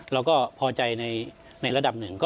เราก็พอใจในระดับหนึ่ง